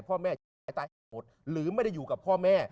พ่อแม่ตายแม่ตายหรือไม่ได้อยู่กับพ่อแม่